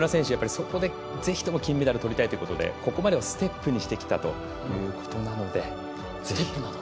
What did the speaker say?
そこで、ぜひとも金メダルをとりたいということでここまでのステップにしてきたということなので。